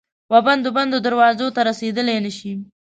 وبندو، بندو دروازو ته رسیدلای نه شي